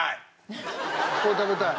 これ食べたい。